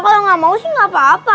kalau gak mau sih gak apa apa